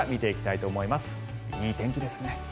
いい天気ですね。